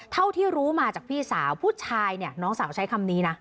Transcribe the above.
เท่าที่รู้มาจากพี่สาวผู้ชายเนี่ยน้องสาวใช้คำนี้นะ